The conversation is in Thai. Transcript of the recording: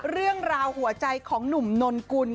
เรื่องราวหัวใจของหนุ่มนนกุล